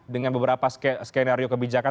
dengan beberapa skenario kebijakan